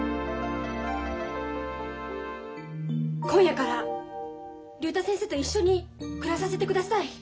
今夜から竜太先生と一緒に暮らさせてください。